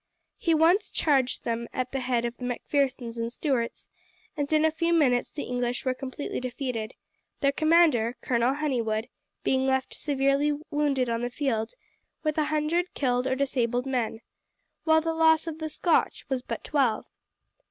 He at once charged them at the head of the Macphersons and Stuarts, and in a few minutes the English were completely defeated, their commander, Colonel Honeywood, being left severely wounded on the field, with a hundred killed or disabled men, while the loss of the Scotch was but twelve.